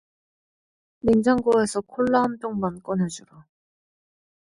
냉장고에서 콜라 한 병만 꺼내주라.